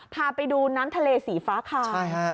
พาไปดูน้ำทะเลสีฟ้าคายใช่ค่ะ